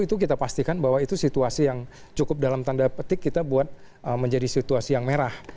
itu kita pastikan bahwa itu situasi yang cukup dalam tanda petik kita buat menjadi situasi yang merah